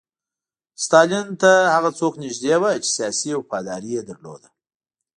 ستالین ته هغه څوک نږدې وو چې سیاسي وفاداري یې درلوده